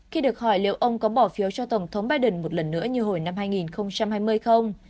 khi được hỏi liệu ông có bỏ phiếu cho tổng thống biden một lần nữa như hồi năm hai nghìn hai mươi không